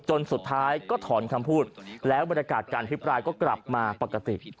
จนสุดท้ายก็ถอนคำพูดแล้วบรรยากาศการพิปรายก็กลับมาปกติ